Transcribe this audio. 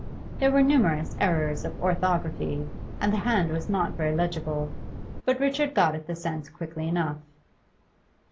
There were numerous errors of orthography, and the hand was not very legible; but Richard got at the sense quickly enough.